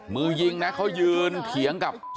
มือยิงนะเขายืนเถียงกับ